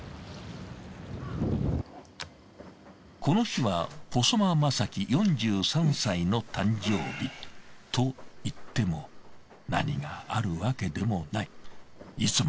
この日は細間正樹４３歳の誕生日。といっても何があるわけでもない。